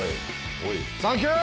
サンキュー！！